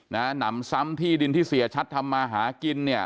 หนำซ้ำที่ดินที่เสียชัดทำมาหากินเนี่ย